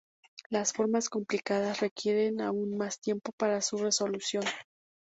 Las formas complicadas requieren aún más tiempo para su resolución.